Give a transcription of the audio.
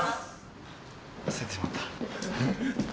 忘れてしまった。